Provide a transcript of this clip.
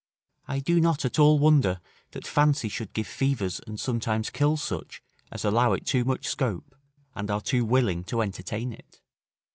I do not at all wonder that fancy should give fevers and sometimes kill such as allow it too much scope, and are too willing to entertain it.